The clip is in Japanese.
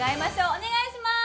お願いします！